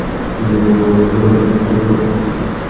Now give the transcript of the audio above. نمائندہ اتروڑ